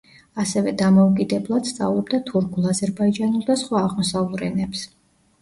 ასევე დამოუკიდებლად სწავლობდა თურქულ, აზერბაიჯანულ და სხვა აღმოსავლურ ენებს.